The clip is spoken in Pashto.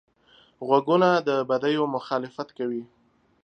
غوږونه د بدیو مخالفت کوي